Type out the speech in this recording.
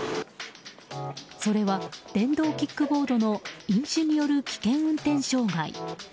それは電動キックボードの飲酒による危険運転傷害。